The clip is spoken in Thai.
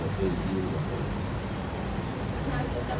แล้วพื้นที่สารของมันมันไม่ควรจะเป็นกระบวนกับพื้นที่อื่นกว่าคน